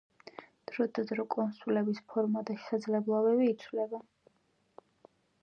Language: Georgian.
დროდადრო კონსოლების ფორმა და შესაძლებლობები იცვლება.